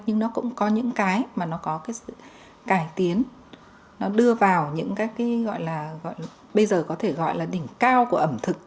nhưng nó cũng có những cái mà nó có cái sự cải tiến nó đưa vào những các cái gọi là bây giờ có thể gọi là đỉnh cao của ẩm thực